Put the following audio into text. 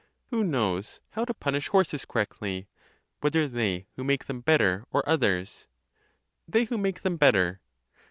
Who know how to punish horses correctly? Whether they, who make them better, or others?—They who (make them) better.